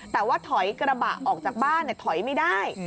แต่ว่าถอยกระบะออกจากบ้านถอยไม่ได้